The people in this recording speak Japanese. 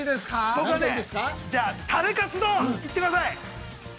◆僕はじゃあタレカツ丼、いってください。